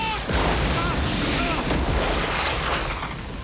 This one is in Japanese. あっ！